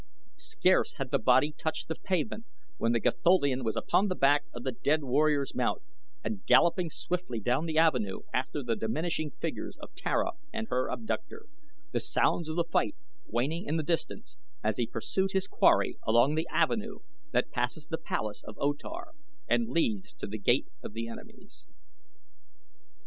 Scarce had the body touched the pavement when the Gatholian was upon the back of the dead warrior's mount, and galloping swiftly down the avenue after the diminishing figures of Tara and her abductor, the sounds of the fight waning in the distance as he pursued his quarry along the avenue that passes the palace of O Tar and leads to The Gate of Enemies.